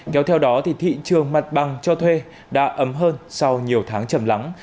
kéo theo đó thì thị trường mặt bằng cho thuê đã ấm hơn sau nhiều tháng chầm lắng